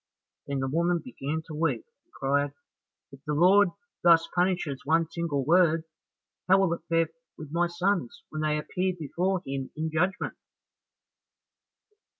Then the woman began to weep and cried, "If the Lord thus punishes one single word, how will it fare with my sons when they appear before him in judgment?"